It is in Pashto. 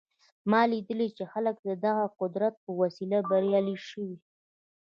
ما لیدلي چې خلک د دغه قدرت په وسیله بریالي شوي